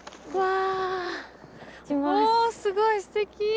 おすごいすてき！